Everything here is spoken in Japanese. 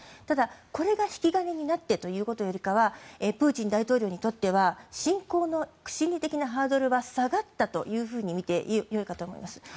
ただ、これが引き金になってというよりかはプーチン大統領にとっては侵攻の心理的なハードルは下がったというふうに見てよいかと思います。